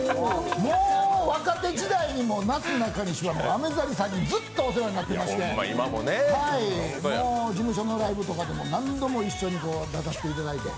もう若手時代になすなかにしはアメザリさんにずっとお世話になってまして事務所のライブとかでも何度も一緒に出させていただいて。